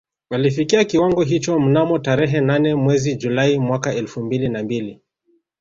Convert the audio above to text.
Alifikia kiwango hicho mnamo tarehe nane mwezi Julai mwaka elfu mbili na mbili